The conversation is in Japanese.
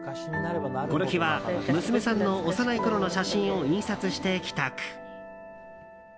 この日は娘さんの幼いころの写真を印刷して帰宅。